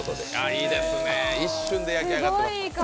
いいですね、一瞬で焼き上がってます。